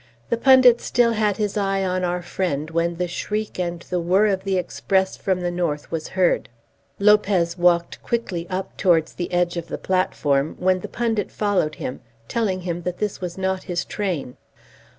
The pundit still had his eye on our friend when the shriek and the whirr of the express from the north was heard. Lopez walked quickly up towards the edge of the platform, when the pundit followed him, telling him that this was not his train.